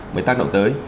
mới tác động tới